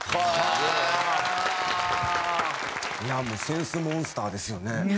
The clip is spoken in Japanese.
もうセンスモンスターですよね。